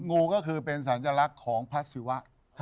งูก็คือเป็นสัญลักษณ์ของพระศิวะ